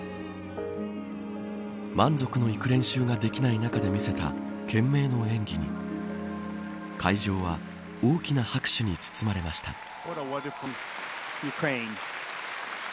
満足のいく練習ができない中で見せた、懸命の演技に会場は大きな拍手に包まれました。